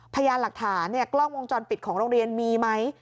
พยานหลักฐานกล้องวงจรปิดของโรงเรียนมีไหม